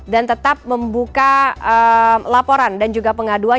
dan tetap membuka laporan dan juga pengaduan